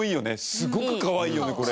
すごくかわいいよねこれ。